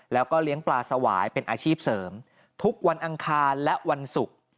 แล้วก็เลี้ยงปลาสวายเป็นอาชีพเสริมทุกวันอังคารและวันศุกร์